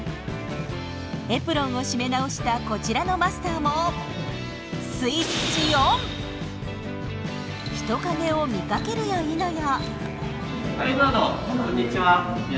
エプロンを締め直したこちらのマスターも人影を見かけるやいなや。